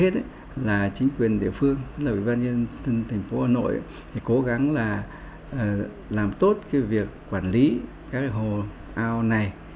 tiểu phương tỉnh phố hà nội cố gắng làm tốt việc quản lý các hồ ao này